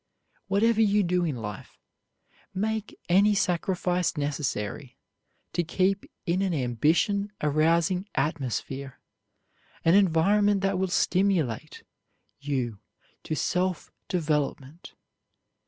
Whatever you do in life, make any sacrifice necessary to keep in an ambition arousing atmosphere, an environment that will stimulate you to self development.